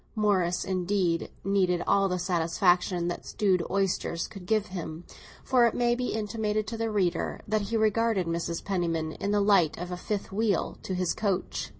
Morris, indeed, needed all the satisfaction that stewed oysters could give him, for it may be intimated to the reader that he regarded Mrs. Penniman in the light of a fifth wheel to his coach.